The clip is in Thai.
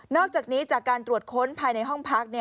อกจากนี้จากการตรวจค้นภายในห้องพัก